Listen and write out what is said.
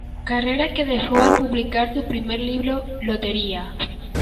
Carrera que dejó al publicar su primer libro, ""¡Lotería!